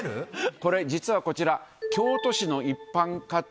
これ、実はこちら、京都市の一般家庭